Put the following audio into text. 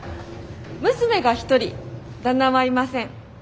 娘が１人旦那はいません。